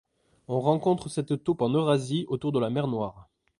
On rencontre cette taupe en Eurasie, autour de la mer Noire.